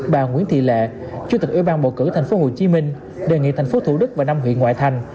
bà nguyễn thị lệ chủ tịch ubtc tp hcm đề nghị tp thủ đức và năm huyện ngoại thành